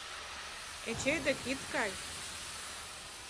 Эчей дек ит кай.